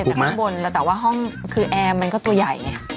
แต่ข้างบนแล้วแต่ว่าห้องคือแอร์มันก็ตัวใหญ่ไง